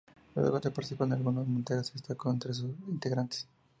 Luego de participar en algunos montajes, se destacó entre sus integrantes.